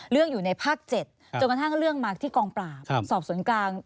อยู่ในภาค๗จนกระทั่งเรื่องมาที่กองปราบสอบสวนกลาง